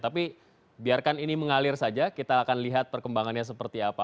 tapi biarkan ini mengalir saja kita akan lihat perkembangannya seperti apa